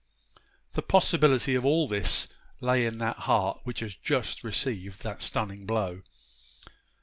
The possibility of all this lay in that heart which had just received that stunning blow.